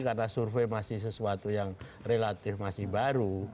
karena survei masih sesuatu yang relatif masih baru